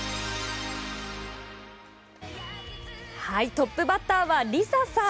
トップバッターはＬｉＳＡさん。